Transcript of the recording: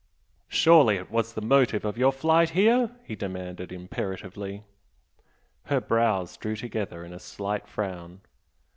"Surely it was the motive of your flight here?" he demanded, imperatively. Her brows drew together in a slight frown.